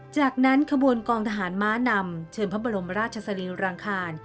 จากนั้นขบวนกองทหารม้านำเชิญพระบรมราชสรีรังคาร